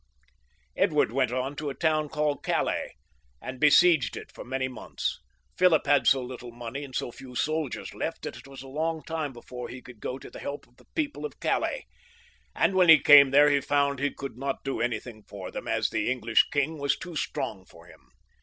Edward went on to a town called Calais, and besieged it for many months. Philip had so little money and so few soldiers left that it was a long time before he could go to the help of the people of Calais, and when he came there he found he could not do anything for them, as the English king was too strong for him.